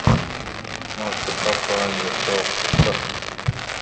مانک ڪتاب پڙھڻ جو شونڪ